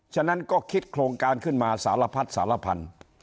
ฉะนั้นก็คิดโครงการขึ้นมาสารพัดสารพันธุ์